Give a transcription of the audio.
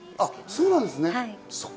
そうなんですね。